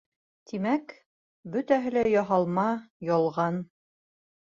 Тимәк, бөтәһе лә яһалма, ялған.